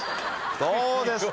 どうですか？